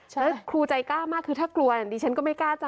แล้วครูใจกล้ามากคือถ้ากลัวดิฉันก็ไม่กล้าจะ